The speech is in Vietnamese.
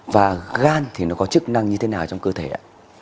và gan thì nó có chức năng như thế nào trong cơ thể ạ